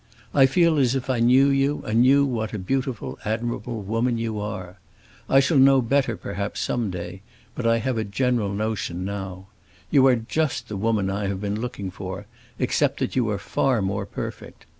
I feel as if I knew you and knew what a beautiful, admirable woman you are. I shall know better, perhaps, some day, but I have a general notion now. You are just the woman I have been looking for, except that you are far more perfect.